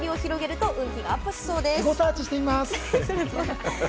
エゴサーチしてみます。